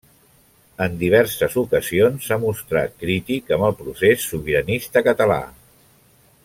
En diverses ocasions s'ha mostrat crític amb el procés sobiranista català.